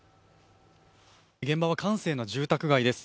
現場は閑静な住宅街です。